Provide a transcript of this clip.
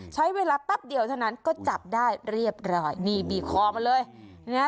ใช้เวลาแป๊บเดียวเท่านั้นก็จับได้เรียบร้อยนี่บีบคอมาเลยนะฮะ